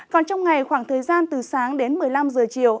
còn trong ngày khoảng thời gian từ sáng đến một mươi năm giờ chiều